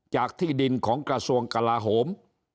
ที่ดินของกระทรวงกลาโหม